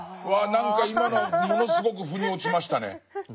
うわ何か今のものすごく腑に落ちましたね。